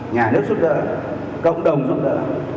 nhà nước giúp đỡ cộng đồng giúp đỡ